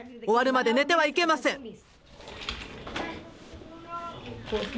終わるまで寝てはいけません！